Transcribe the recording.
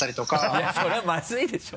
いやそれはマズいでしょ。